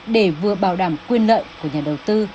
để vừa bảo đảm quyền lợi của nhà đầu tư